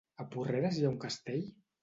A Porreres hi ha un castell?